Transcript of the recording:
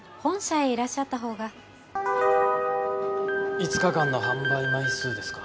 ５日間の販売枚数ですか。